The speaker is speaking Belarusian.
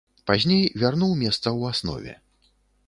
Пазней вярнуў месца ў аснове.